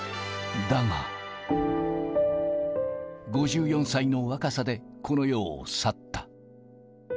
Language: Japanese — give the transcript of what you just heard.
だが、５４歳の若さでこの世を去った。